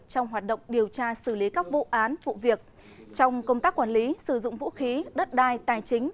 trong hoạt động điều tra xử lý các vụ án vụ việc trong công tác quản lý sử dụng vũ khí đất đai tài chính